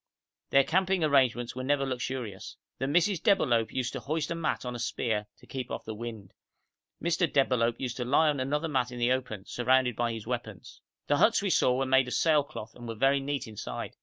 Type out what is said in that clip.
Their camping arrangements were never luxurious. The Mrs. Debalohp used to hoist a mat on a spear, to keep off the wind. Mr. Debalohp used to lie on another mat in the open, surrounded by his weapons. The huts we saw were made of sail cloth, and were very neat inside.